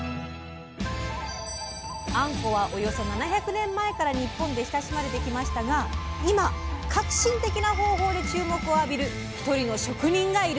あんこはおよそ７００年前から日本で親しまれてきましたが今革新的な方法で注目を浴びる一人の職人がいるんです！